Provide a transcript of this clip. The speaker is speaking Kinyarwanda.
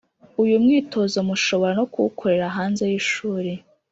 Uyu mwitozo mushobora no kuwukorera hanze y'ishuri,